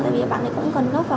bởi vì bạn ấy cũng cần góp vào